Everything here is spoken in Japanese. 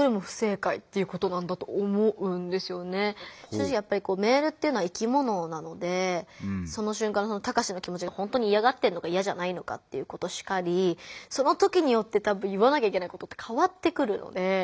正直やっぱりメールっていうのは生きものなのでその瞬間のタカシの気もちがほんとにいやがってるのかいやじゃないのかっていうことしかりその時によって多分言わなきゃいけないことって変わってくるので。